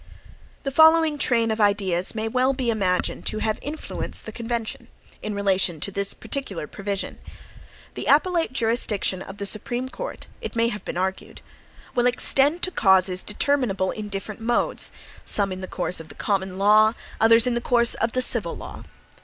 The following train of ideas may well be imagined to have influenced the convention, in relation to this particular provision. The appellate jurisdiction of the Supreme Court (it may have been argued) will extend to causes determinable in different modes, some in the course of the COMMON LAW, others in the course of the CIVIL LAW.